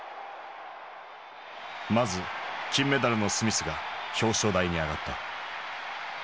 まず金メダルのスミスが表彰台に上がった。